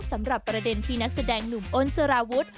สำหรับประเด็นที่นักแสดงหนุ่มอ้นสารวุฒิ